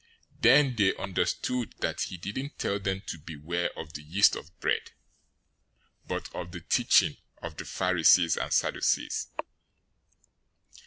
016:012 Then they understood that he didn't tell them to beware of the yeast of bread, but of the teaching of the Pharisees and Sadducees.